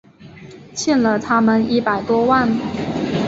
欠了他们一百多万